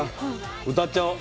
歌っちゃおう。